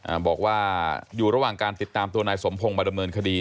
บอกว่าอยู่ระหว่างการติดตามตัวนายสมพงศ์มาดำเนินคดี